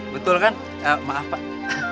betul kan maaf pak